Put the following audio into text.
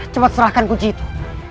cepat serahkan kunci itu